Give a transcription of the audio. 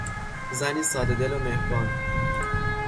زنی سادهدل و مهربان